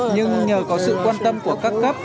nhưng nhờ có sự quan tâm của các cấp